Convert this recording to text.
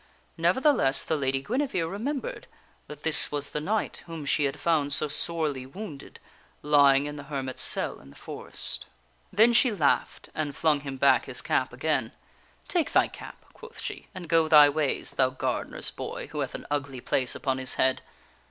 Nevertheless the Lady Guinevere remembered that this was the knight whom she had found so sorely wounded, lying in the hermit's cell in the forest. Then she laughed and flung him back his cap again. " Take thy cap," quoth she, " and go thy ways, thou gardener's boy who hath an ugly place upon his head."